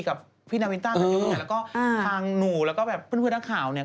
แล้วก็ทางหนูแล้วก็แบบเพื่อนนักข่าวเนี่ย